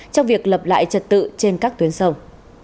trong việc lập lại trật tự trên các tuyến sông